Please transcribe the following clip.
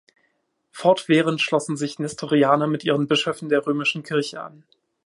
Fortwährend schlossen sich Nestorianer mit ihren Bischöfen der römischen Kirche an.